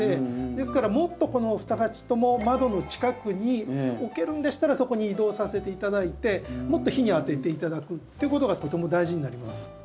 ですからもっとこの２鉢とも窓の近くに置けるんでしたらそこに移動させて頂いてもっと日に当てて頂くっていうことがとても大事になります。